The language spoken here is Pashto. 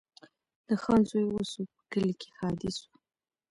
د خان زوی وسو په کلي کي ښادي سوه